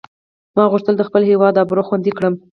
ما غوښتل د خپل هیواد آبرو خوندي کړم.